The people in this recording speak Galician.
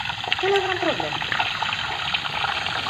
¿Cal é o gran problema?